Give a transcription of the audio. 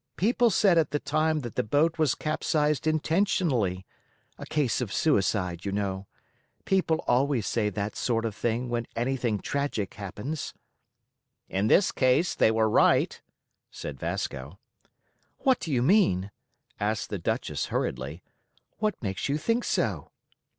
People said at the time that the boat was capsized intentionally—a case of suicide, you know. People always say that sort of thing when anything tragic happens." "In this case they were right," said Vasco. "What do you mean?" asked the Duchess hurriedly. "What makes you think so?"